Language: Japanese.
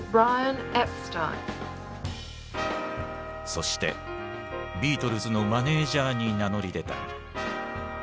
そしてビートルズのマネージャーに名乗り出た。